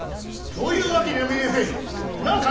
そういう訳にはめえりやせん。